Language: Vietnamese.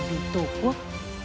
vì tổ quốc